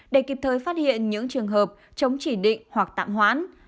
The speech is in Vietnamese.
để kịp thời phát hiện những trường hợp chống chỉ định hoặc tạm hoãn